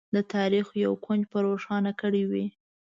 د تاریخ یو کونج به روښانه کړی وي.